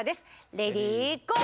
レディーゴー！